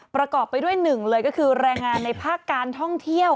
ประกอบไปด้วยหนึ่งเลยก็คือแรงงานในภาคการท่องเที่ยว